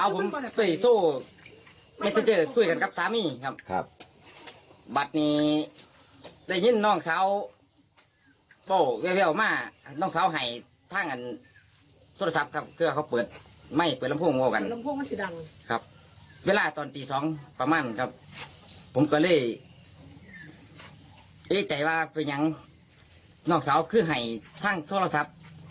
ประมาณครับผมก็เลยเอ้ยใจว่าเป็นอย่างนอกสาวขึ้นให้ทางโทรศัพท์